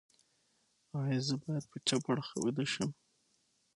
ایا زه باید په چپ اړخ ویده شم؟